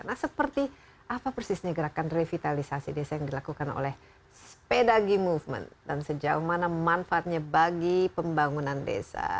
nah seperti apa persisnya gerakan revitalisasi desa yang dilakukan oleh spedagi movement dan sejauh mana manfaatnya bagi pembangunan desa